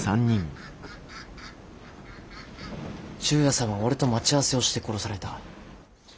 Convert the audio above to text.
忠弥さんは俺と待ち合わせをして殺された。